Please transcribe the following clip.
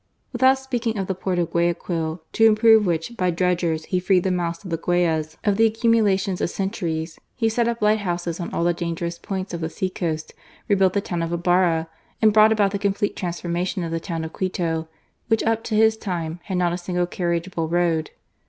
Without speaking of the port of Guayaquil, to improve which, by dredgers, he freed the mouths of the Guayas of the accumulations of centuries, he set up lighthouses on all the dangerous points of the sea coast, rebuilt the town of Ibarra, and brought about the complete transformation of the town of Quito, which up to his time had not a single carriageable road.